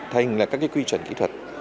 thành là các quy chuẩn kỹ thuật